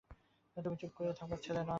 তুমি চুপ করে থাকবার ছেলে কিনা!